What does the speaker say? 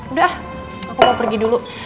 udah aku mau pergi dulu